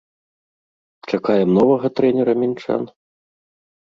Чакаем новага трэнера мінчан?